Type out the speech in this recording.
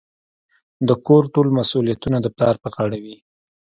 د کور ټول مسوليتونه د پلار په غاړه وي.